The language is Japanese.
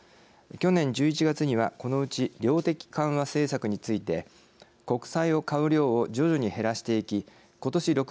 去年１１月には、このうち量的緩和政策について国債を買う量を徐々に減らしていきことし